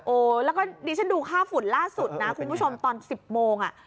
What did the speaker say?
แล้วก็ดิฉันดูค่าฝุ่นล่าสุดนะคุณผู้ชมตอน๑๐โมง